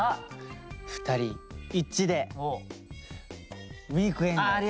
２人一致で「ウィークエンダー」ですね。